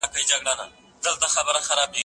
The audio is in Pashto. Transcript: که وخت وي، ښوونځی ته ځم،